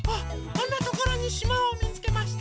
あんなところにしまをみつけました。